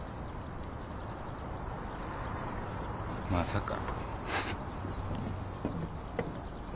まさか。